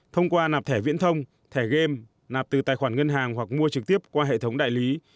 thông qua nạp thẻ viễn thông thẻ game nạp từ tài khoản ngân hàng hoặc mua trực tiếp qua hệ thống đại lý